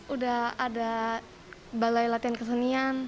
udah ada balai latihan kesenian